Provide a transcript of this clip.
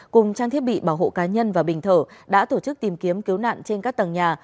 cùng trang thiết bị bảo hộ cá nhân và bình thở đã tổ chức tìm kiếm cứu nạn trên các tầng nhà